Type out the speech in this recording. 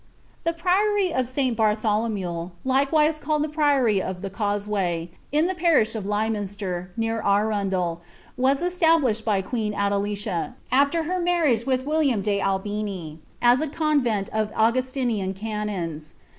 *he priory of St. Bartholomew, likewise called the priory of the seway, in the parish of Lyminster, near Arundel, was established by en Adelicia, after her marriage with William de Albini, as a convent iugnstinian canons.'